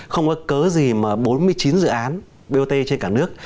không có cớ gì mà bốn mươi chín dự án bot trên cả nước